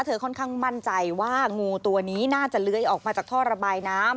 ค่อนข้างมั่นใจว่างูตัวนี้น่าจะเลื้อยออกมาจากท่อระบายน้ำ